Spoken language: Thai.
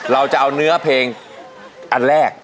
เราจะเอาเนื้อเพลงอันแรก